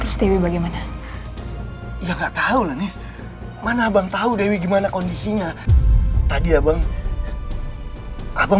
terus dewi bagaimana ya enggak tahu manis mana abang tahu dewi gimana kondisinya tadi abang abang